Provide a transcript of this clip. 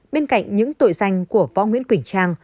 bên cạnh những tội danh của võ nguyễn quỳnh trang